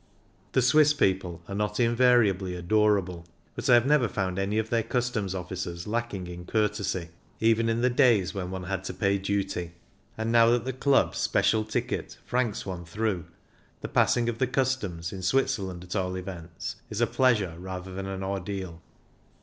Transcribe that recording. The Swiss people are not invariably adorable^ but I have never found any of their customs officers lacking in courtesy, even in the days when one had to pay duty ; and, now that the Club "special" ticket franks one through, the passing of the customs, in Switzerland at all events, is a pleasure rather than an ordeal.